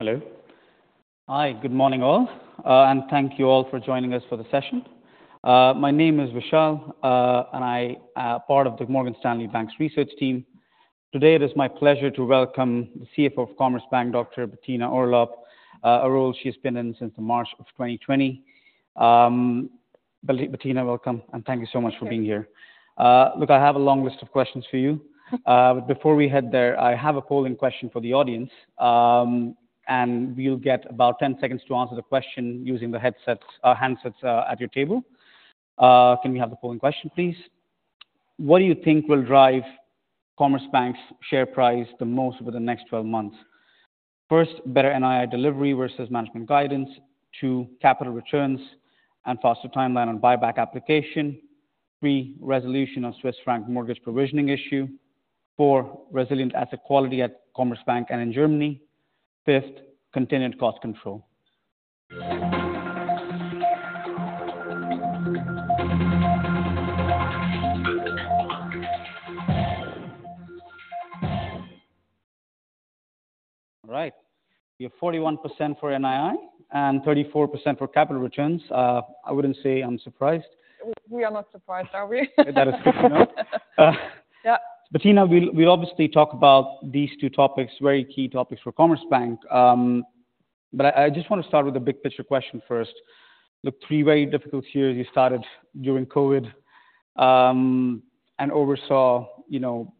Hello. Hi, good morning all, and thank you all for joining us for the session. My name is Vishal, and I'm part of the Morgan Stanley Bank's Research team. Today it is my pleasure to welcome the CFO of Commerzbank, Dr. Bettina Orlopp, a role she's been in since March of 2020. Bettina, welcome, and thank you so much for being here. Look, I have a long list of questions for you, but before we head there, I have a polling question for the audience, and we'll get about 10 seconds to answer the question using the headsets, handsets, at your table. Can we have the polling question, please? What do you think will drive Commerzbank's share price the most over the next 12 months? First, better NII delivery versus management guidance. Two, capital returns and faster timeline on buyback application. Three, resolution of Swiss franc mortgage provisioning issue. Four, resilient asset quality at Commerzbank and in Germany. Fifth, continued cost control. All right. We have 41% for NII and 34% for capital returns. I wouldn't say I'm surprised. We are not surprised, are we? That is good to know. Yeah. Bettina, we'll obviously talk about these two topics, very key topics for Commerzbank, but I just want to start with a big picture question first. Look, three very difficult years. You started during COVID, and oversaw, you know,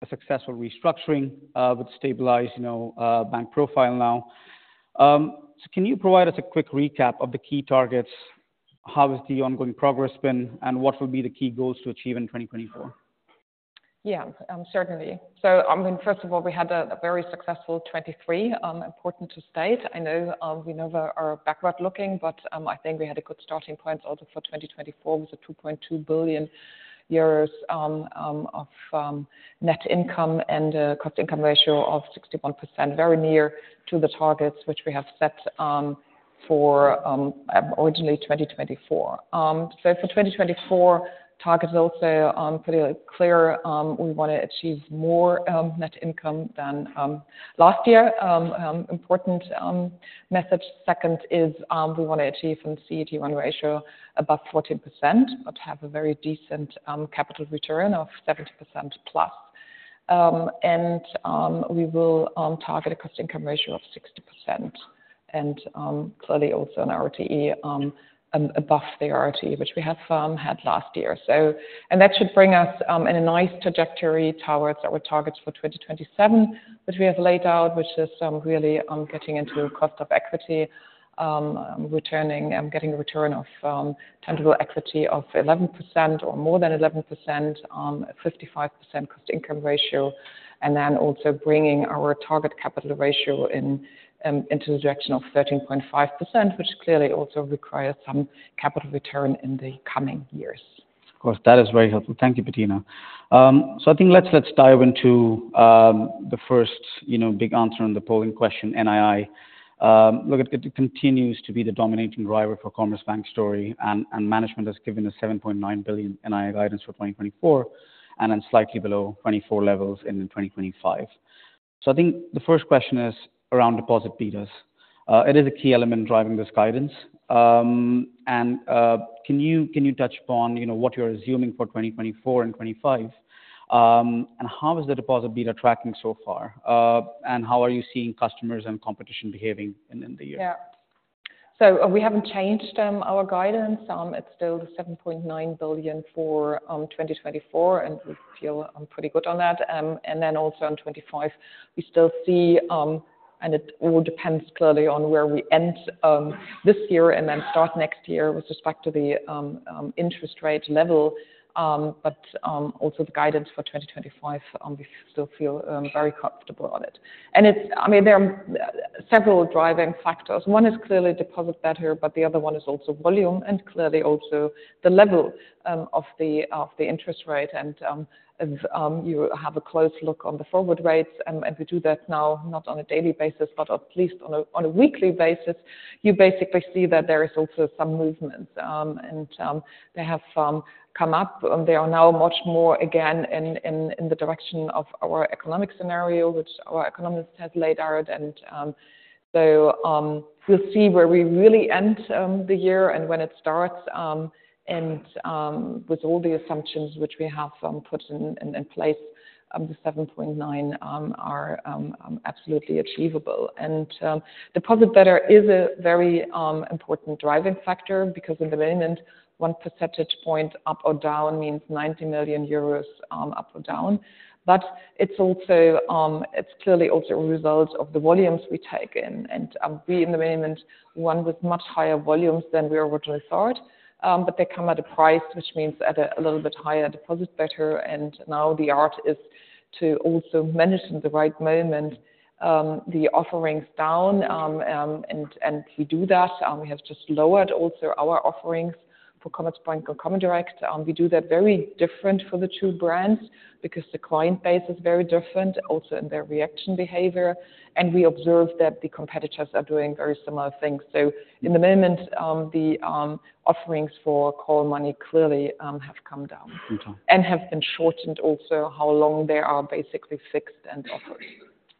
a successful restructuring, with a stabilized, you know, bank profile now. Can you provide us a quick recap of the key targets, how has the ongoing progress been, and what will be the key goals to achieve in 2024? Yeah, certainly. So I mean, first of all, we had a very successful 2023, important to state. I know, we know we're backward looking, but I think we had a good starting point also for 2024 with a 2.2 billion euros of net income and a cost income ratio of 61%, very near to the targets which we have set for originally 2024. So for 2024, target is also pretty clear. We want to achieve more net income than last year. Important message. Second is, we want to achieve a CET1 ratio above 14%, but have a very decent capital return of 70%+. And we will target a cost income ratio of 60% and clearly also a ROTE above the ROTE which we had last year. and that should bring us in a nice trajectory towards our targets for 2027 which we have laid out, which is really getting into cost of equity, returning, getting a return of tangible equity of 11% or more than 11%, a 55% cost income ratio, and then also bringing our target capital ratio into the direction of 13.5%, which clearly also requires some capital return in the coming years. Of course, that is very helpful. Thank you, Bettina. So I think let's dive into the first, you know, big answer in the polling question, NII. Look, it continues to be the dominating driver for Commerzbank's story, and management has given a 7.9 billion NII guidance for 2024 and then slightly below 2024 levels in 2025. So I think the first question is around deposit betas. It is a key element driving this guidance. And can you touch upon, you know, what you're assuming for 2024 and 2025, and how is the deposit beta tracking so far, and how are you seeing customers and competition behaving in the year? Yeah. So, we haven't changed our guidance. It's still 7.9 billion for 2024, and we feel pretty good on that. And then also in 2025, we still see, and it all depends clearly on where we end this year and then start next year with respect to the interest rate level. But also the guidance for 2025, we still feel very comfortable on it. And it's, I mean, there are several driving factors. One is clearly deposit beta, but the other one is also volume and clearly also the level of the interest rate. If you have a close look on the forward rates, and we do that now not on a daily basis, but at least on a weekly basis, you basically see that there is also some movement, and they have come up, they are now much more again in the direction of our economic scenario which our economist has laid out. So, we'll see where we really end the year and when it starts, and with all the assumptions which we have put in place, the 7.9 are absolutely achievable. Deposit beta is a very important driving factor because in the moment, one percentage point up or down means 90 million euros up or down. But it's also, it's clearly also a result of the volumes we take in. We, in the moment, have one with much higher volumes than we originally thought, but they come at a price which means a little bit higher deposit beta. Now the art is to also manage in the right moment the offerings down, and we do that. We have just lowered also our offerings for Commerzbank and Comdirect. We do that very different for the two brands because the client base is very different, also in their reaction behavior. We observe that the competitors are doing very similar things. So in the moment, the offerings for call money clearly have come down. Okay. And have been shortened, also how long they are basically fixed and offered.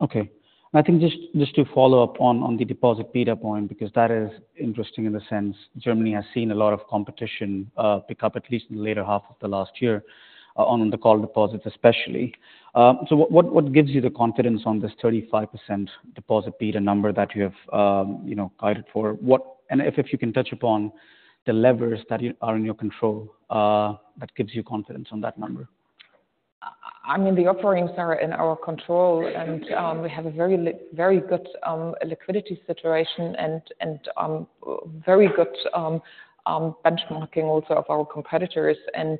Okay. And I think just to follow up on the deposit beta point because that is interesting in the sense Germany has seen a lot of competition pick up at least in the later half of the last year on the cold deposits especially. So what gives you the confidence on this 35% deposit beta number that you have, you know, guided for? And if you can touch upon the levers that you are in your control that gives you confidence on that number? I mean, the offerings are in our control and we have a very good liquidity situation and very good benchmarking also of our competitors. And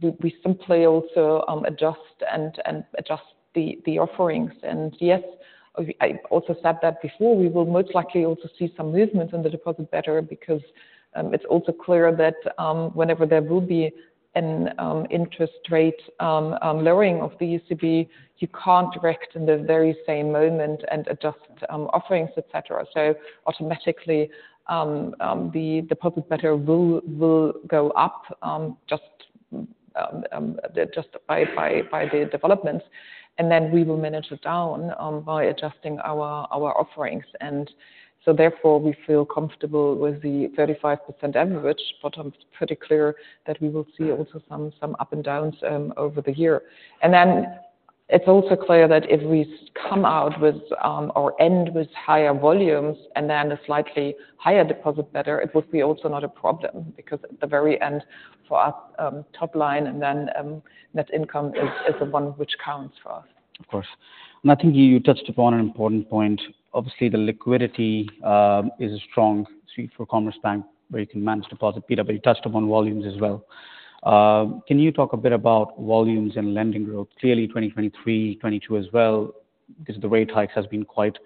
we simply also adjust and adjust the offerings. And yes, I also said that before, we will most likely also see some movements in the deposit beta because it's also clear that whenever there will be an interest rate lowering of the ECB, you can't directly in the very same moment and adjust offerings, etc. So automatically, the deposit beta will go up just by the developments. And then we will manage it down by adjusting our offerings. And so therefore we feel comfortable with the 35% average, but I'm pretty clear that we will see also some ups and downs over the year. Then it's also clear that if we come out with, or end with higher volumes and then a slightly higher deposit beta, it would be also not a problem because at the very end for us, top line and then, net income is the one which counts for us. Of course. And I think you, you touched upon an important point. Obviously, the liquidity is a strong suit for Commerzbank where you can manage deposit beta, but you touched upon volumes as well. Can you talk a bit about volumes and lending growth? Clearly 2023, 2022 as well because the rate hikes have been quite,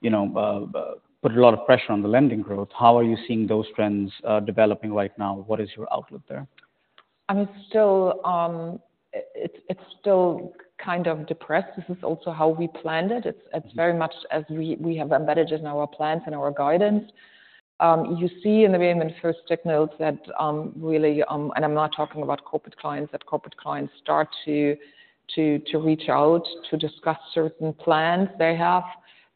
you know, put a lot of pressure on the lending growth. How are you seeing those trends developing right now? What is your outlook there? I mean, still, it's, it's still kind of depressed. This is also how we planned it. It's, it's very much as we, we have embedded it in our plans and our guidance. You see in the moment first signals that, really, and I'm not talking about corporate clients, that corporate clients start to, to, to reach out to discuss certain plans they have,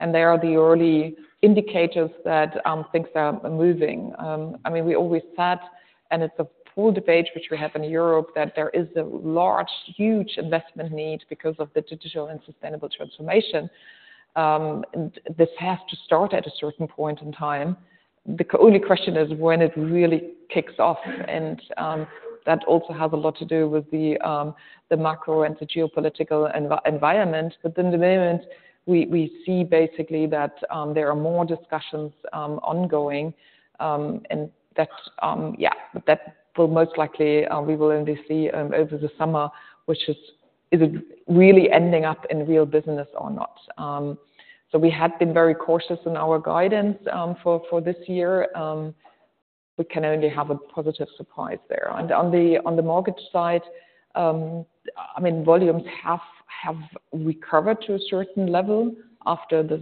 and they are the early indicators that, things are moving. I mean, we always said, and it's a pool debate which we have in Europe, that there is a large, huge investment need because of the digital and sustainable transformation. This has to start at a certain point in time. The only question is when it really kicks off. That also has a lot to do with the, the macro and the geopolitical environment. But in the moment, we see basically that there are more discussions ongoing, and that yeah, that will most likely we will only see over the summer which is it really ending up in real business or not. So we had been very cautious in our guidance for this year. We can only have a positive surprise there. And on the mortgage side, I mean, volumes have recovered to a certain level after this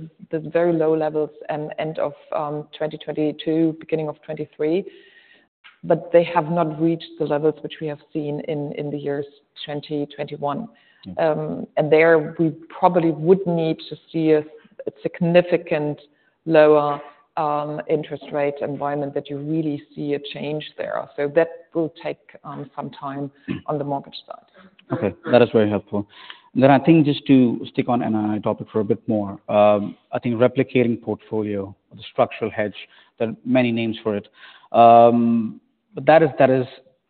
very low levels and end of 2022, beginning of 2023, but they have not reached the levels which we have seen in the years 2021. And there we probably would need to see a significant lower interest rate environment that you really see a change there. So that will take some time on the mortgage side. Okay. That is very helpful. And then I think just to stick on NII topic for a bit more, I think replicating portfolio, the structural hedge, there are many names for it. But that is, that is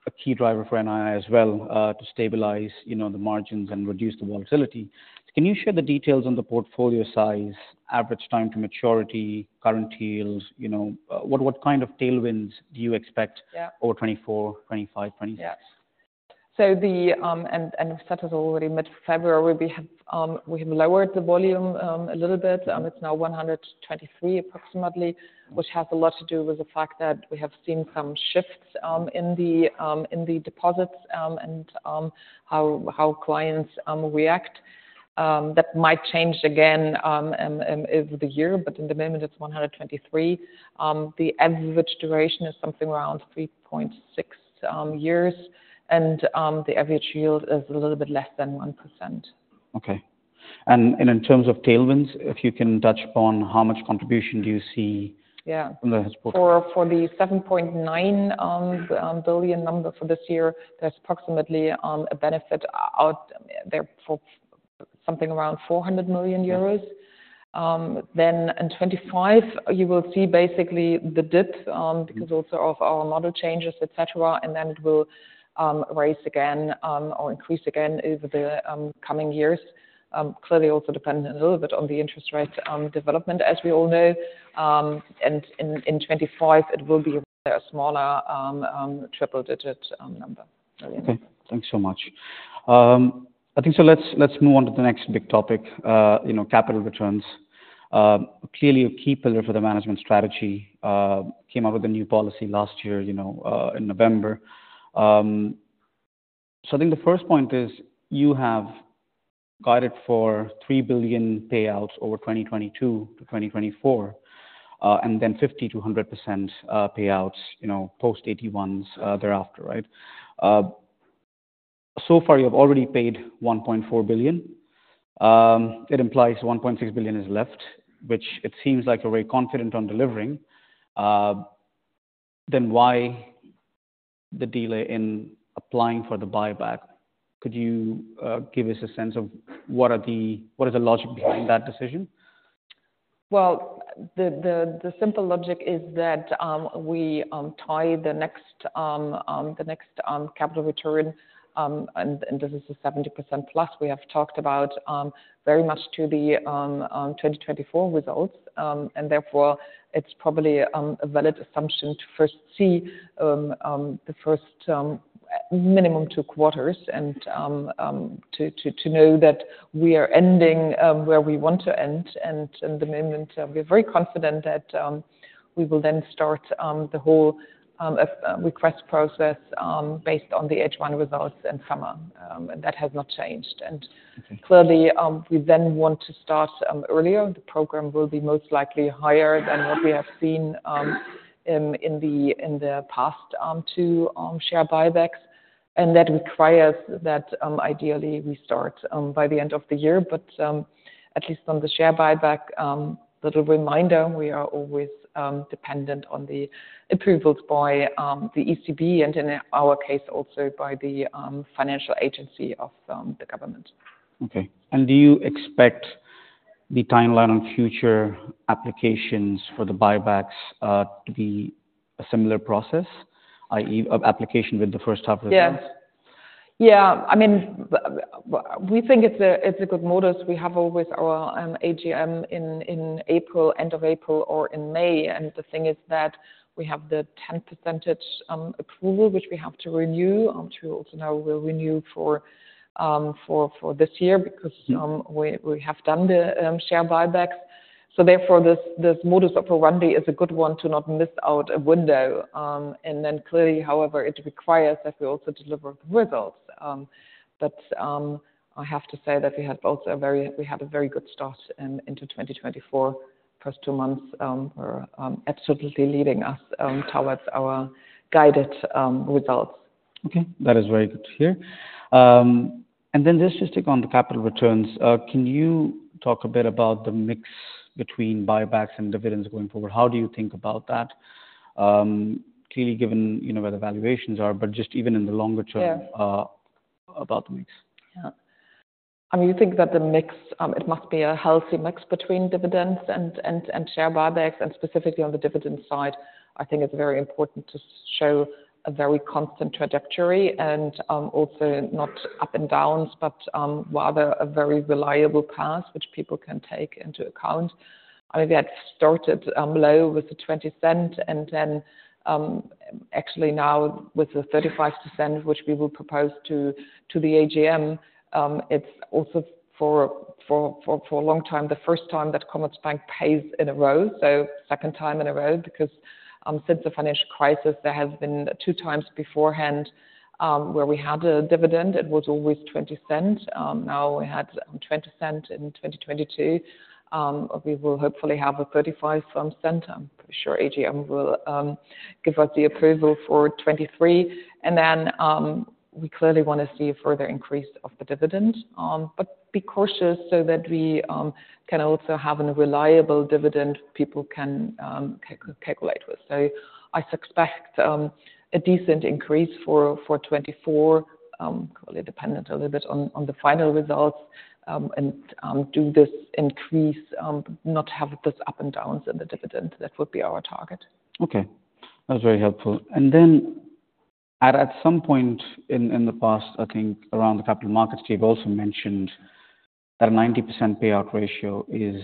a key driver for NII as well, to stabilize, you know, the margins and reduce the volatility. Can you share the details on the portfolio size, average time to maturity, current yields, you know, what, what kind of tailwinds do you expect over 2024, 2025, 2026? Yeah. So we said as already mid-February, we have lowered the volume a little bit. It's now 123 approximately, which has a lot to do with the fact that we have seen some shifts in the deposits, and how clients react. That might change again over the year, but in the moment it's 123. The average duration is something around 3.6 years, and the average yield is a little bit less than 1%. Okay. And in terms of tailwinds, if you can touch upon how much contribution do you see? Yeah. From the hedge portfolio? For the 7.9 billion number for this year, there's approximately a benefit out there for something around 400 million euros. Then in 2025 you will see basically the dip, because also of our model changes, etc., and then it will raise again or increase again over the coming years. Clearly also depending a little bit on the interest rate development as we all know. And in 2025 it will be a smaller triple-digit number. Okay. Thanks so much. I think so let's move on to the next big topic, you know, capital returns. Clearly a key pillar for the management strategy, came out with a new policy last year, you know, in November. So I think the first point is you have guided for EUR 3 billion payouts over 2022-2024, and then 50%-100% payouts, you know, post-24s, thereafter, right? So far you have already paid 1.4 billion. It implies 1.6 billion is left, which it seems like you're very confident on delivering. Then why the delay in applying for the buyback? Could you give us a sense of what are the, what is the logic behind that decision? Well, the simple logic is that we tie the next capital return, and this is a 70%+ we have talked about, very much to the 2024 results. And therefore it's probably a valid assumption to first see the first minimum two quarters and to know that we are ending where we want to end. And in the moment, we are very confident that we will then start the whole request process, based on the H1 results in summer. And that has not changed. And clearly, we then want to start earlier. The program will be most likely higher than what we have seen in the past two share buybacks. And that requires that, ideally we start by the end of the year. At least on the share buyback, little reminder, we are always dependent on the approvals by the ECB and, in our case, also by the financial agency of the government. Okay. Do you expect the timeline on future applications for the buybacks to be a similar process, i.e., of application with the first half results? Yeah. Yeah. I mean, we think it's a good modus. We have always our AGM in April, end of April or in May. And the thing is that we have the 10% approval which we have to renew, which we also know we'll renew for this year because we have done the share buybacks. So therefore this modus operandi is a good one to not miss out a window. And then clearly, however, it requires that we also deliver the results. But I have to say that we had also a very good start into 2024. First two months were absolutely leading us towards our guided results. Okay. That is very good to hear. And then just to stick on the capital returns, can you talk a bit about the mix between buybacks and dividends going forward? How do you think about that? Clearly given, you know, where the valuations are, but just even in the longer-term. Yeah. about the mix. Yeah. I mean, you think that the mix, it must be a healthy mix between dividends and share buybacks. And specifically on the dividend side, I think it's very important to show a very constant trajectory and, also not ups and downs, but rather a very reliable path which people can take into account. I mean, we had started low with the 0.20 and then, actually now with the 0.35 which we will propose to the AGM, it's also for a long time the first time that Commerzbank pays in a row. So second time in a row because, since the financial crisis there has been 2x beforehand, where we had a dividend, it was always 0.20. Now we had 0.20 in 2022. We will hopefully have a 0.35. I'm pretty sure AGM will give us the approval for 2023. And then, we clearly want to see a further increase of the dividend, but be cautious so that we can also have a reliable dividend people can calculate with. So I suspect a decent increase for 2024, clearly dependent a little bit on the final results, and do this increase not have these ups and downs in the dividend. That would be our target. Okay. That's very helpful. And then at some point in the past, I think around the capital markets, you've also mentioned that a 90% payout ratio is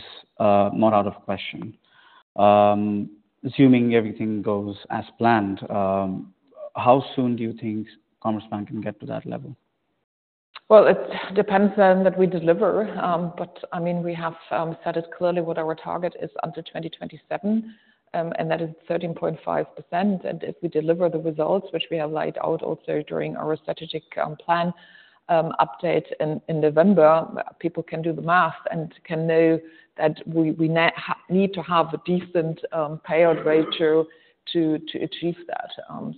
more out of the question. Assuming everything goes as planned, how soon do you think Commerzbank can get to that level? Well, it depends on that we deliver. But I mean, we have said it clearly what our target is until 2027, and that is 13.5%. And if we deliver the results which we have laid out also during our strategic plan update in November, people can do the math and can know that we need to have a decent payout ratio to achieve that.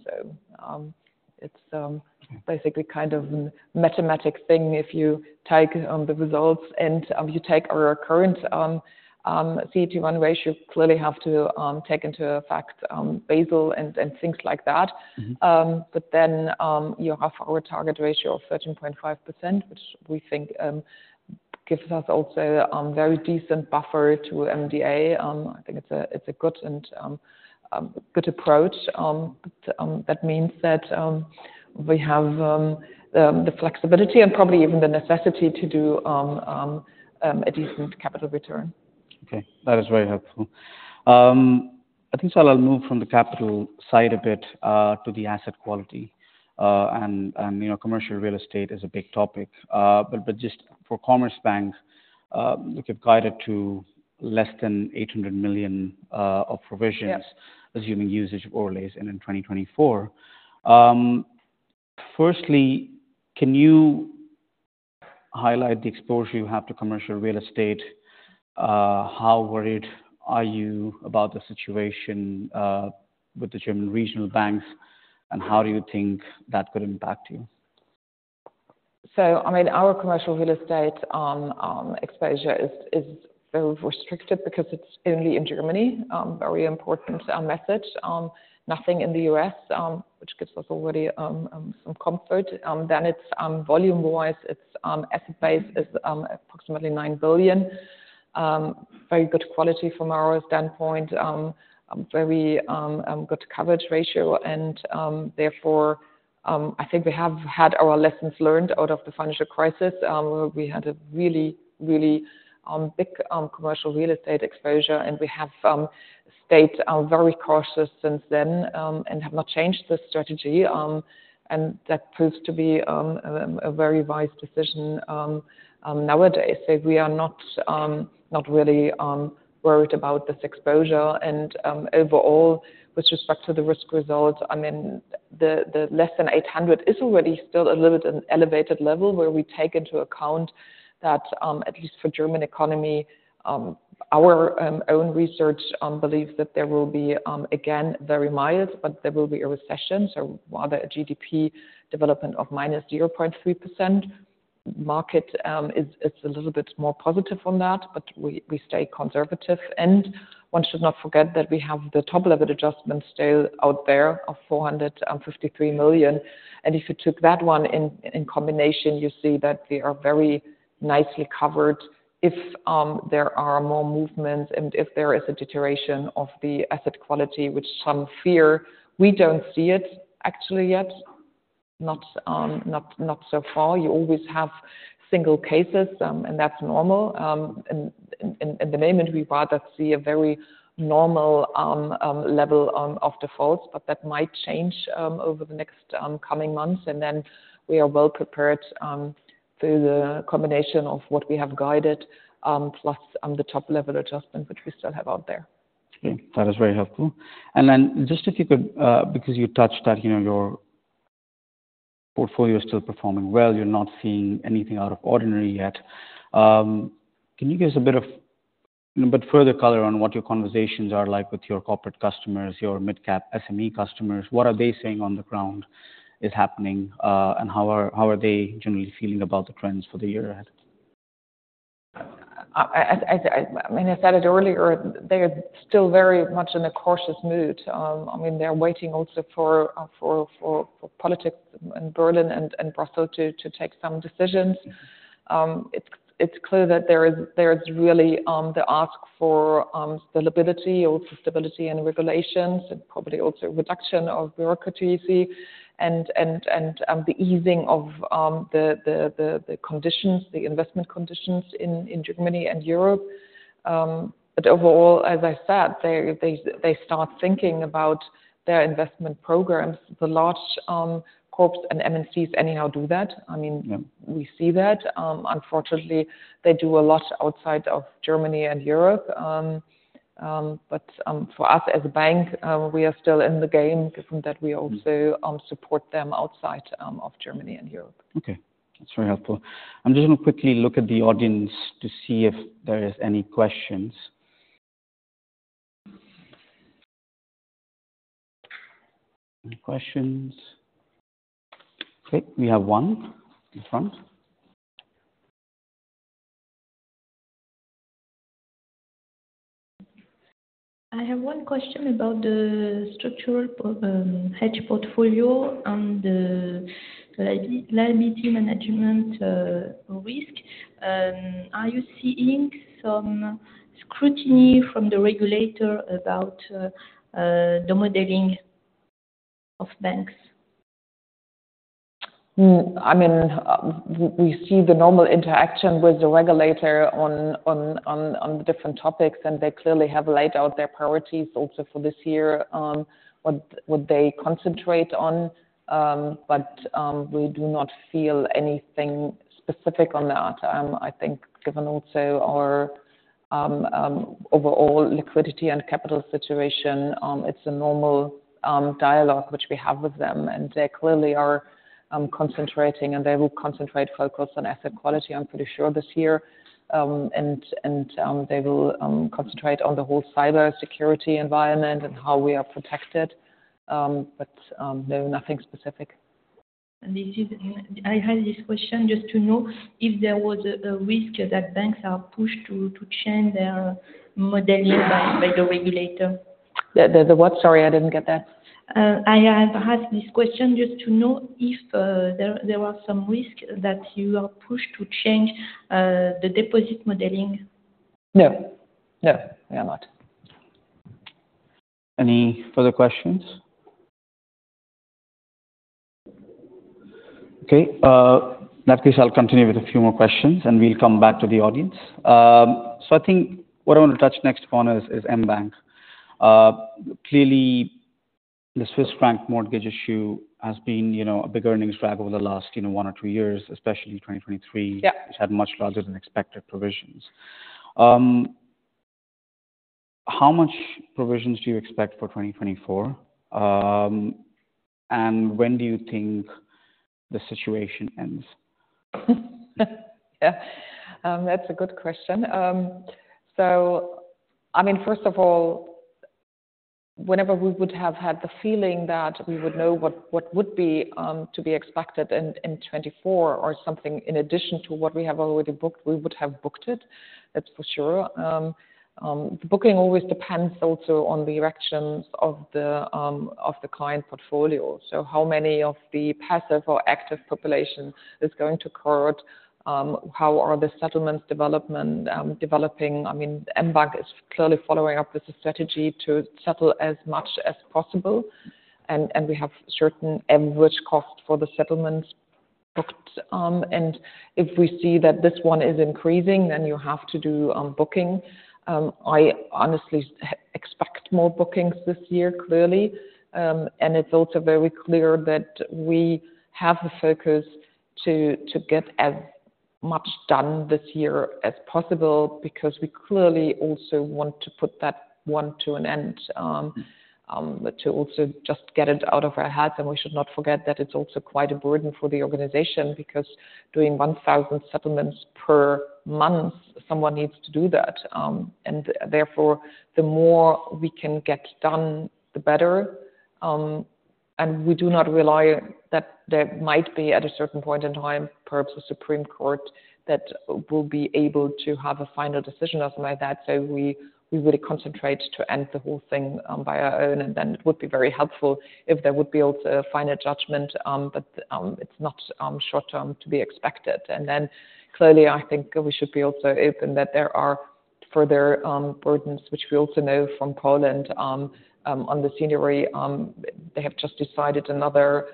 So, it's basically kind of a mathematical thing. If you take the results and you take our current CET1 ratio, you clearly have to take into account Basel and things like that. But then, you have our target ratio of 13.5% which we think gives us also very decent buffer to MDA. I think it's a good approach. But that means that we have the flexibility and probably even the necessity to do a decent capital return. Okay. That is very helpful. I think, so I'll move from the capital side a bit to the asset quality. You know, commercial real estate is a big topic. But just for Commerzbank, look, you've guided to less than $800 million of provisions. Yeah. Assuming usage of overlays and in 2024. Firstly, can you highlight the exposure you have to commercial real estate? How worried are you about the situation with the German regional banks, and how do you think that could impact you? So, I mean, our commercial real estate exposure is very restricted because it's only in Germany very important message. Nothing in the U.S., which gives us already some comfort. Then it's, volume-wise, its asset base is approximately $9 billion. Very good quality from our standpoint, very good coverage ratio. Therefore, I think we have had our lessons learned out of the financial crisis. We had a really, really big commercial real estate exposure and we have stayed very cautious since then, and have not changed the strategy. That proves to be a very wise decision nowadays. So we are not really worried about this exposure. Overall with respect to the risk results, I mean, the less than $800 is already still a little bit an elevated level where we take into account that, at least for the German economy, our own research believes that there will be again very mild, but there will be a recession. So rather a GDP development of -0.3%. The market is a little bit more positive on that, but we stay conservative. And one should not forget that we have the top-level adjustment still out there of $453 million. And if you took that one in combination, you see that we are very nicely covered if there are more movements and if there is a deterioration of the asset quality which some fear. We don't see it actually yet. Not so far. You always have single cases, and that's normal. In the moment, we rather see a very normal level of defaults, but that might change over the next coming months. And then we are well prepared through the combination of what we have guided, plus the top-level adjustment which we still have out there. Okay. That is very helpful. And then just if you could, because you touched that, you know, your portfolio is still performing well. You're not seeing anything out of the ordinary yet. Can you give us a bit of, you know, a bit further color on what your conversations are like with your corporate customers, your mid-cap SME customers? What are they saying on the ground is happening, and how are, how are they generally feeling about the trends for the year ahead? I mean, I said it earlier. They are still very much in a cautious mood. I mean, they're waiting also for politics in Berlin and Brussels to take some decisions. It's clear that there is really the ask for stability also stability and regulations and probably also reduction of bureaucracy and the easing of the conditions, the investment conditions in Germany and Europe. But overall, as I said, they start thinking about their investment programs. The large corps and MNCs anyhow do that. I mean. Yeah. We see that. Unfortunately, they do a lot outside of Germany and Europe. But, for us as a bank, we are still in the game given that we also support them outside of Germany and Europe. Okay. That's very helpful. I'm just going to quickly look at the audience to see if there are any questions. Any questions? Okay. We have one in the front. I have one question about the structural hedge portfolio and the liability management risk. Are you seeing some scrutiny from the regulator about the modeling of banks? I mean, we see the normal interaction with the regulator on the different topics and they clearly have laid out their priorities also for this year, what they concentrate on. But we do not feel anything specific on that. I think given also our overall liquidity and capital situation, it's a normal dialogue which we have with them and they clearly are concentrating and they will concentrate focus on asset quality, I'm pretty sure, this year. And they will concentrate on the whole cybersecurity environment and how we are protected. But no, nothing specific. This is, I had this question just to know if there was a risk that banks are pushed to change their modeling by the regulator. What? Sorry, I didn't get that. I have asked this question just to know if there are some risks that you are pushed to change the deposit modeling? No. No, we are not. Any further questions? Okay. In that case, I'll continue with a few more questions and we'll come back to the audience. So I think what I want to touch next upon is, is mBank. Clearly the Swiss franc mortgage issue has been, you know, a big earnings drag over the last, you know, one or two years, especially 2023. Yeah. Which had much larger than expected provisions. How much provisions do you expect for 2024? And when do you think the situation ends? Yeah. That's a good question. So, I mean, first of all, whenever we would have had the feeling that we would know what, what would be, to be expected in, in 2024 or something in addition to what we have already booked, we would have booked it. That's for sure. The booking always depends also on the directions of the, of the client portfolio. So how many of the passive or active population is going to court? How are the settlements development, developing? I mean, mBank is clearly following up with a strategy to settle as much as possible and, and we have certain average cost for the settlements booked. If we see that this one is increasing, then you have to do, booking. I honestly expect more bookings this year clearly. And it's also very clear that we have the focus to, to get as much done this year as possible because we clearly also want to put that one to an end. To also just get it out of our heads. And we should not forget that it's also quite a burden for the organization because doing 1,000 settlements per month, someone needs to do that. And therefore the more we can get done, the better. And we do not rely that there might be at a certain point in time, perhaps the Supreme Court, that will be able to have a final decision as might that. So we, we really concentrate to end the whole thing, by our own. And then it would be very helpful if there would be also a final judgment, but it's not, short-term to be expected. Then clearly I think we should be also open that there are further burdens which we also know from Poland on the scene. They have just decided another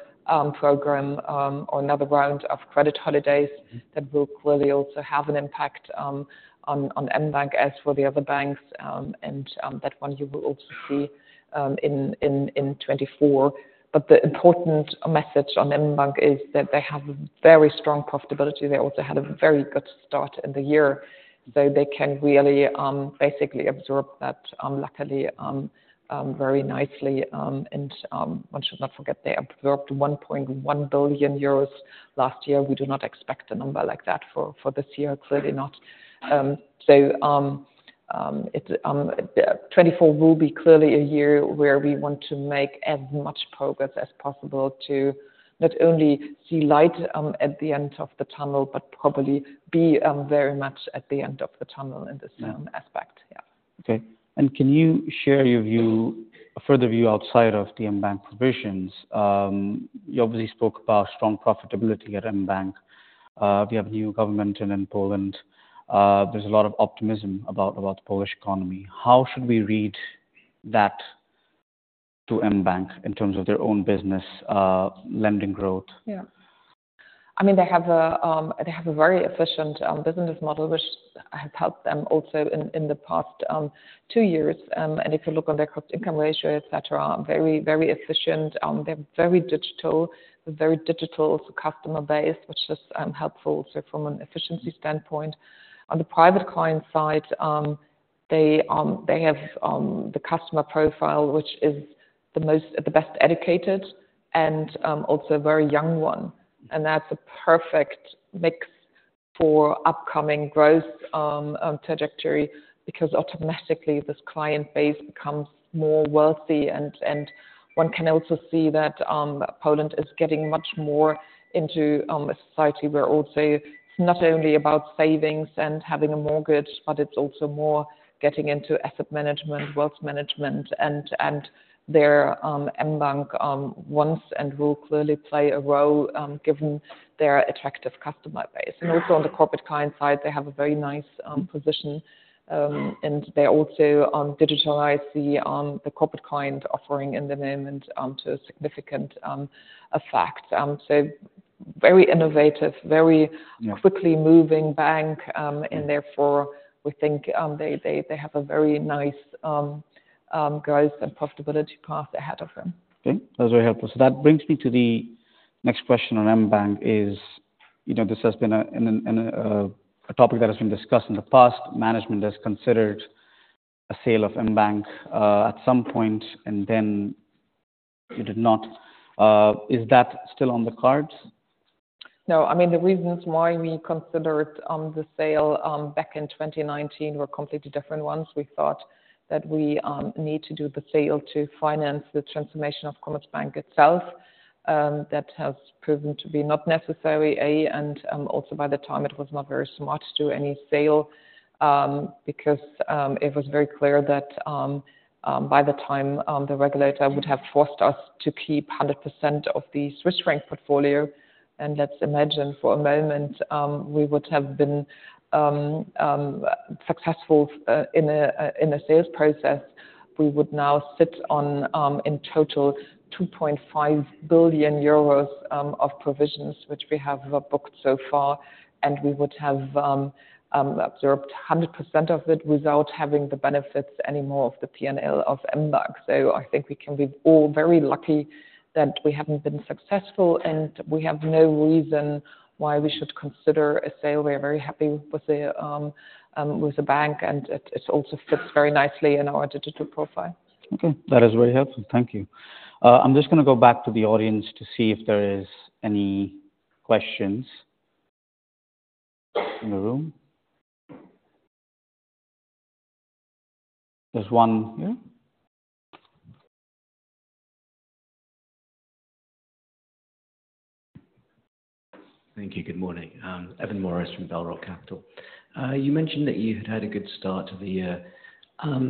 program, or another round of credit holidays that will clearly also have an impact on mBank as for the other banks. And that one you will also see in 2024. But the important message on mBank is that they have very strong profitability. They also had a very good start in the year. So they can really basically absorb that luckily very nicely. And one should not forget they absorbed 1.1 billion euros last year. We do not expect a number like that for this year. Clearly not. So, 2024 will be clearly a year where we want to make as much progress as possible to not only see light at the end of the tunnel, but probably be very much at the end of the tunnel in this aspect. Yeah. Okay. Can you share your view, a further view outside of the mBank provisions? You obviously spoke about strong profitability at mBank. We have a new government in Poland. There's a lot of optimism about the Polish economy. How should we read that to mBank in terms of their own business, lending growth? Yeah. I mean, they have a very efficient business model which has helped them also in the past two years. If you look on their cost income ratio, etc., very, very efficient. They're very digital, very digital also customer base which is helpful also from an efficiency standpoint. On the private client side, they have the customer profile which is the most, the best educated and also a very young one. That's a perfect mix for upcoming growth trajectory because automatically this client base becomes more wealthy. One can also see that Poland is getting much more into a society where also it's not only about savings and having a mortgage, but it's also more getting into asset management, wealth management. Their mBank wants and will clearly play a role, given their attractive customer base. And also on the corporate client side, they have a very nice position. And they also digitalize the corporate client offering in the moment to a significant effect. So very innovative, very quickly moving bank. And therefore we think they have a very nice growth and profitability path ahead of them. Okay. That's very helpful. So that brings me to the next question on mBank is, you know, this has been a topic that has been discussed in the past. Management has considered a sale of mBank, at some point and then it did not. Is that still on the cards? No. I mean, the reasons why we considered the sale back in 2019 were completely different ones. We thought that we need to do the sale to finance the transformation of Commerzbank itself. That has proven to be not necessary. And also by the time it was not very smart to do any sale, because it was very clear that, by the time, the regulator would have forced us to keep 100% of the Swiss franc portfolio. And let's imagine for a moment we would have been successful in a sales process. We would now sit on, in total, 2.5 billion euros of provisions which we have booked so far. And we would have absorbed 100% of it without having the benefits anymore of the P&L of mBank. So I think we can be all very lucky that we haven't been successful and we have no reason why we should consider a sale. We are very happy with the bank and it also fits very nicely in our digital profile. Okay. That is very helpful. Thank you. I'm just going to go back to the audience to see if there are any questions in the room. There's one here. Thank you. Good morning. Evan Morris from Bell Rock Capital. You mentioned that you had had a good start to the year.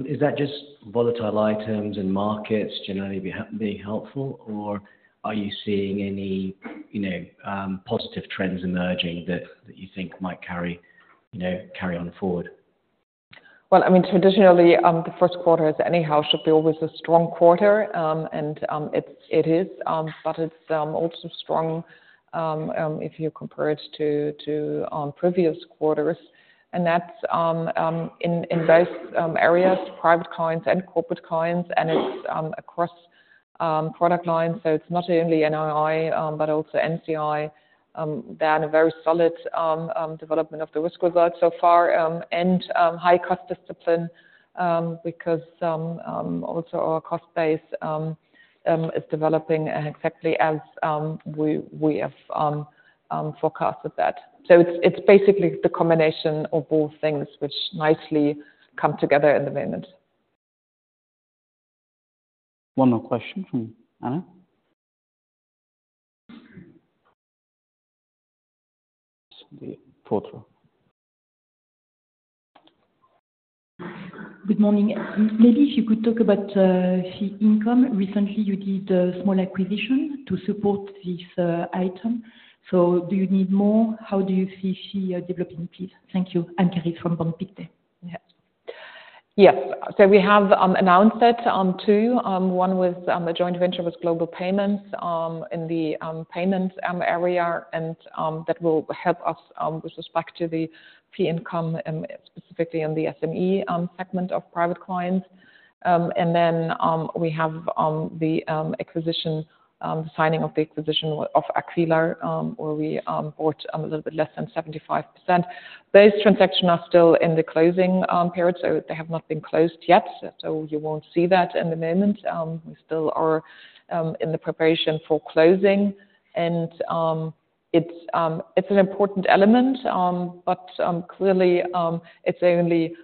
Is that just volatile items and markets generally being helpful or are you seeing any, you know, positive trends emerging that you think might carry, you know, carry on forward? Well, I mean, traditionally, the first quarters anyhow should be always a strong quarter. And it's also strong if you compare it to previous quarters. And that's in both areas, private clients and corporate clients. And it's across product lines. So it's not only NII, but also NCI. They had a very solid development of the risk results so far, and high cost discipline, because also our cost base is developing exactly as we have forecasted that. So it's basically the combination of both things which nicely come together in the moment. One more question from Anna. The portfolio. Good morning. Maybe if you could talk about fee income. Recently you did a small acquisition to support this item. So do you need more? How do you see fee developing, please? Thank you. Anne-Kerry from Pictet. Yes. So we have announced two. One was a joint venture with Global Payments in the payments area. And that will help us with respect to the fee income, specifically in the SME segment of private clients. And then we have the acquisition, the signing of the acquisition of Aquila, where we bought a little bit less than 75%. Those transactions are still in the closing period. So they have not been closed yet. So you won't see that in the moment. We still are in the preparation for closing. And it's an important element, but clearly it's only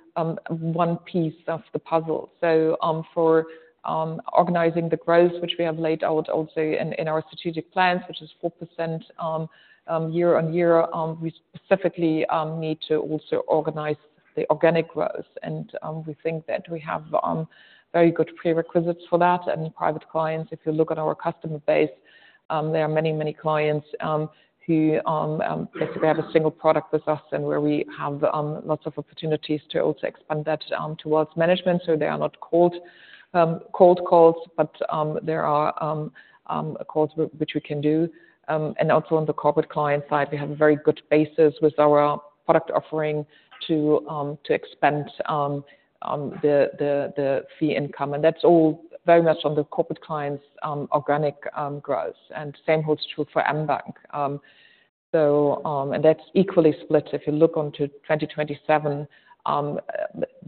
one piece of the puzzle. So for organizing the growth which we have laid out also in our strategic plans which is 4% year-on-year, we specifically need to also organize the organic growth. And we think that we have very good prerequisites for that. And private clients, if you look at our customer base, there are many, many clients who basically have a single product with us and where we have lots of opportunities to also expand that towards management. So they are not called cold calls, but there are calls which we can do. And also on the corporate client side, we have a very good basis with our product offering to expand the fee income. And that's all very much on the corporate clients' organic growth. And same holds true for mBank. So, and that's equally split. If you look onto 2027,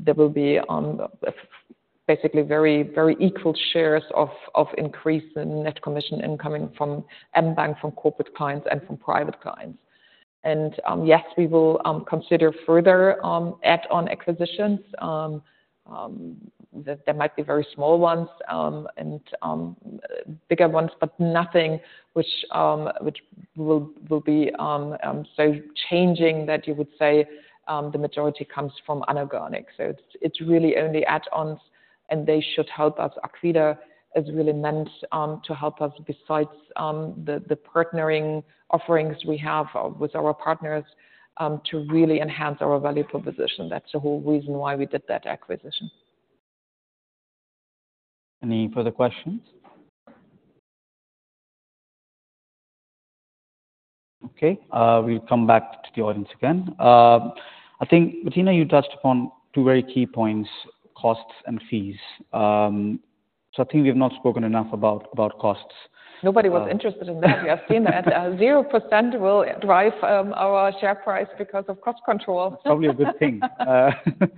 there will be basically very, very equal shares of increase in net commission incoming from mBank, from corporate clients, and from private clients. And, yes, we will consider further add-on acquisitions. There might be very small ones, and bigger ones, but nothing which will be so changing that you would say the majority comes from inorganic. So it's really only add-ons. And they should help us. Aquila is really meant to help us besides the partnering offerings we have with our partners, to really enhance our value proposition. That's the whole reason why we did that acquisition. Any further questions? Okay. We'll come back to the audience again. I think, Bettina, you touched upon two very key points, costs and fees. I think we have not spoken enough about, about costs. Nobody was interested in that. We have seen that. 0% will drive our share price because of cost control. That's probably a good thing.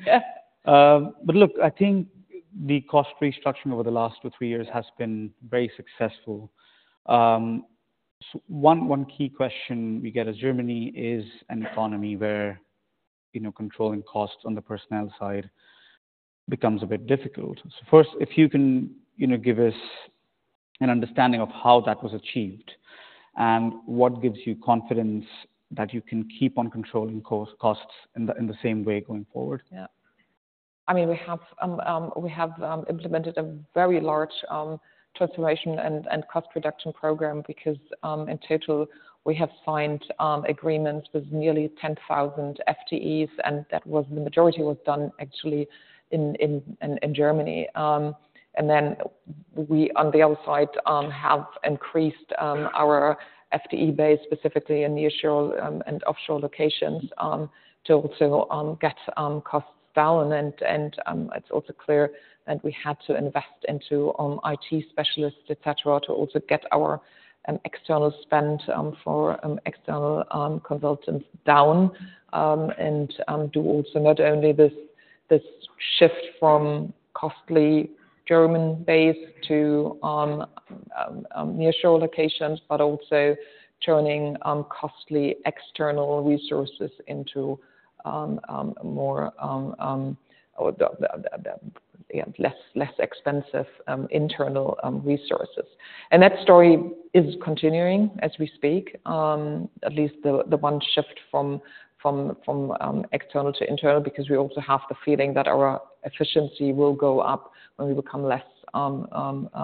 Yeah. But look, I think the cost restructuring over the last 2 or 3 years has been very successful. So one key question we get as Germany is an economy where, you know, controlling costs on the personnel side becomes a bit difficult. So first, if you can, you know, give us an understanding of how that was achieved and what gives you confidence that you can keep on controlling costs in the same way going forward. Yeah. I mean, we have implemented a very large transformation and cost reduction program because, in total, we have signed agreements with nearly 10,000 FTEs. And that was – the majority was done actually in Germany. And then we, on the other side, have increased our FTE base specifically in nearshore and offshore locations to also get costs down. And it's also clear that we had to invest into IT specialists, etc., to also get our external spend for external consultants down, and do also not only this shift from costly German base to nearshore locations, but also turning costly external resources into less expensive internal resources. And that story is continuing as we speak. At least the one shift from external to internal because we also have the feeling that our efficiency will go up when we become less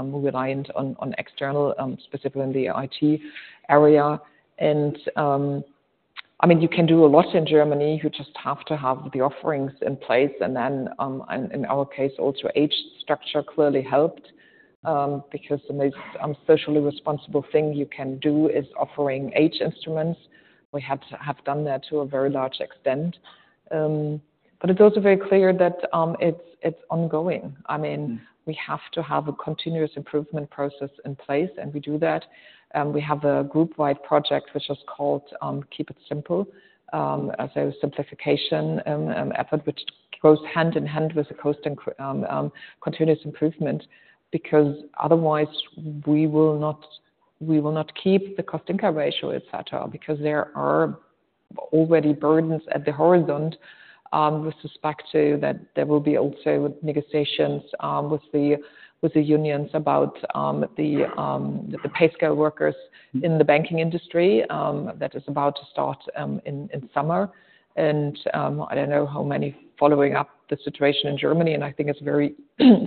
reliant on external, specifically in the IT area. And, I mean, you can do a lot in Germany. You just have to have the offerings in place. And then, in our case, also age structure clearly helped, because the most socially responsible thing you can do is offering age instruments. We had to have done that to a very large extent. But it's also very clear that it's ongoing. I mean, we have to have a continuous improvement process in place. And we do that. We have a group-wide project which is called Keep It Simple, so simplification effort which goes hand in hand with the cost and continuous improvement because otherwise we will not keep the cost income ratio, etc., because there are already burdens at the horizon. With respect to that there will be also negotiations with the unions about the pay scale workers in the banking industry, that is about to start in summer. I don't know how many following up the situation in Germany. I think it's very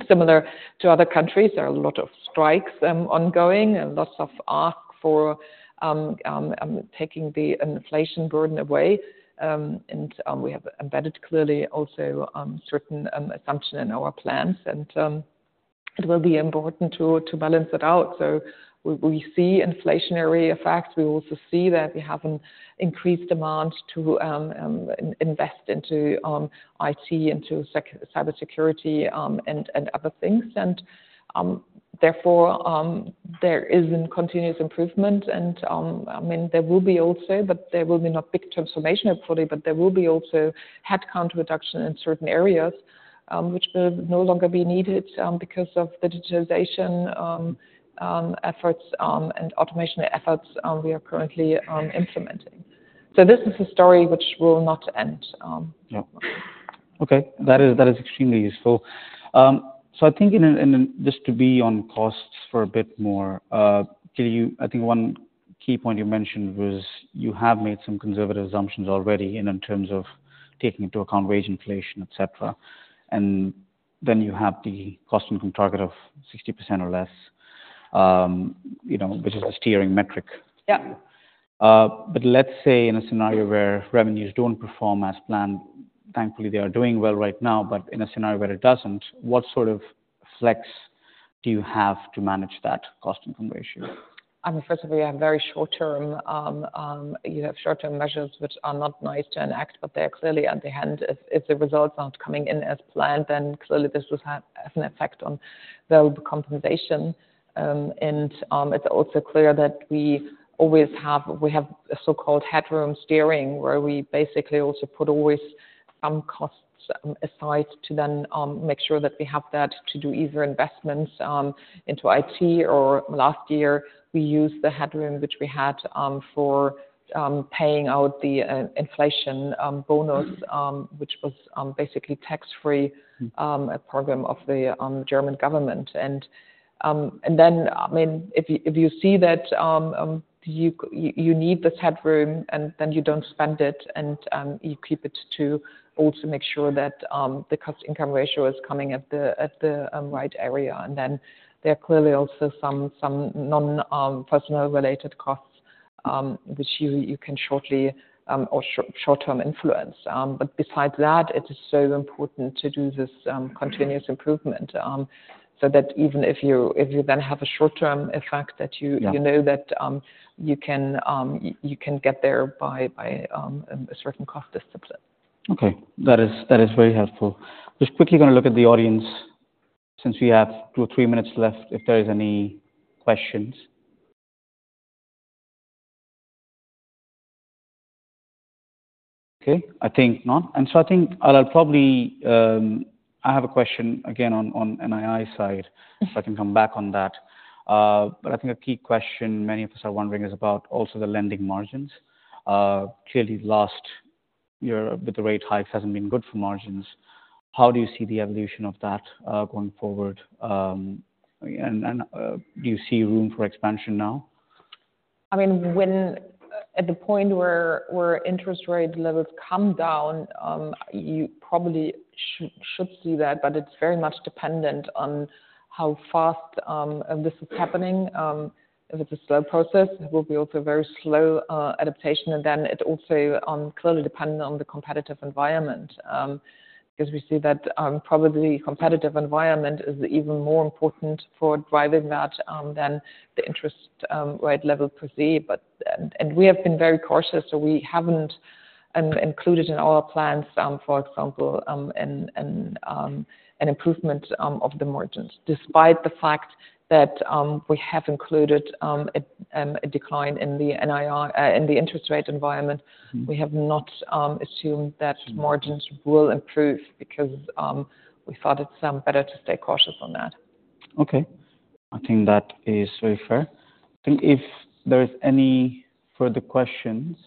similar to other countries. There are a lot of strikes ongoing and lots of ask for taking the inflation burden away. We have embedded clearly also certain assumption in our plans. It will be important to balance it out. So we see inflationary effects. We also see that we have an increased demand to invest into IT, into cyber security, and other things. Therefore, there isn't continuous improvement. I mean, there will be also, but there will be not big transformation hopefully, but there will be also headcount reduction in certain areas, which will no longer be needed, because of the digitization efforts, and automation efforts we are currently implementing. So this is a story which will not end. Yeah. Okay. That is extremely useful. So I think in a just to be on costs for a bit more, can you I think one key point you mentioned was you have made some conservative assumptions already in terms of taking into account wage inflation, etc. And then you have the cost income target of 60% or less, you know, which is the steering metric. Yeah. But let's say in a scenario where revenues don't perform as planned, thankfully they are doing well right now. But in a scenario where it doesn't, what sort of flex do you have to manage that cost income ratio? I mean, first of all, you have very short-term, you have short-term measures which are not nice to enact, but they are clearly at hand. If the results aren't coming in as planned, then clearly this has an effect on variable compensation. It's also clear that we always have a so-called headroom steering where we basically also put always some costs aside to then make sure that we have that to do either investments into IT. Or last year we used the headroom which we had for paying out the inflation bonus, which was basically tax-free, a program of the German government. Then, I mean, if you see that, you need this headroom and then you don't spend it and you keep it to also make sure that the cost-income ratio is coming at the right area. And then there are clearly also some non-personal-related costs, which you can short-term influence. But besides that, it is so important to do this continuous improvement, so that even if you then have a short-term effect that you know that you can get there by a certain cost discipline. Okay. That is very helpful. Just quickly going to look at the audience since we have two or three minutes left if there is any questions. Okay. I think not. So I think I'll probably have a question again on NII side if I can come back on that. But I think a key question many of us are wondering is about also the lending margins. Clearly last year with the rate hikes hasn't been good for margins. How do you see the evolution of that going forward? And do you see room for expansion now? I mean, when at the point where interest rate levels come down, you probably should see that. But it's very much dependent on how fast this is happening. If it's a slow process, it will be also a very slow adaptation. And then it also clearly dependent on the competitive environment, because we see that probably the competitive environment is even more important for driving that than the interest rate level per se. But we have been very cautious. So we haven't included in our plans, for example, an improvement of the margins despite the fact that we have included a decline in the NII in the interest rate environment. We have not assumed that margins will improve because we thought it's better to stay cautious on that. Okay. I think that is very fair. I think if there is any further questions.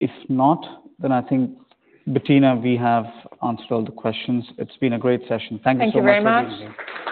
If not, then I think, Bettina, we have answered all the questions. It's been a great session. Thank you so much for joining me. Thank you very much.